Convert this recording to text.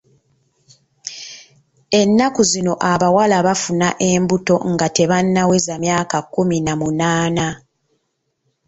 Ennaku zino abawala bafuna embuto nga tebannaweza myaka kkumi na munaana.